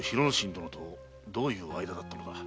殿とどういう間だったのだ？